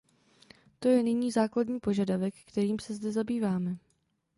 To je nyní základní požadavek, kterým se zde zabýváme.